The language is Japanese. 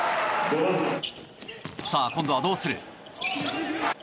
さあ、今度はどうする？